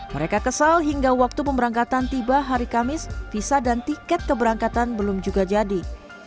mereka kesal hingga waktu pemberangkatan tiba hari kamis visa dan tiket keberangkatan belum juga jadi